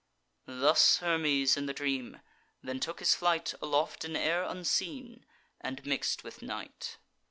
Thus Hermes in the dream; then took his flight Aloft in air unseen, and mix'd with night.